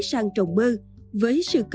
sang trồng bơ